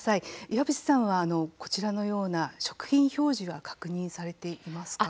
岩渕さんは、こちらのような食品表示は確認されていますか？